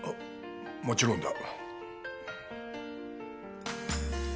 もちろんだ。